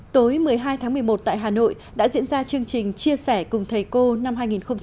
tối một mươi hai tháng một mươi một tại hà nội đã diễn ra chương trình chia sẻ cùng thầy cô năm hai nghìn hai mươi